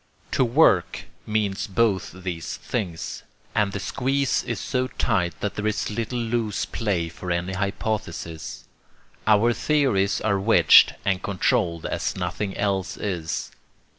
To 'work' means both these things; and the squeeze is so tight that there is little loose play for any hypothesis. Our theories are wedged and controlled as nothing else is.